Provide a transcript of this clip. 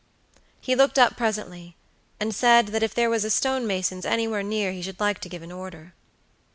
He looked up presently, and said that if there was a stone mason's anywhere near he should like to give an order.